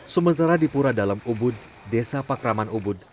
sementara di pura dalam ubud desa pakraman ubud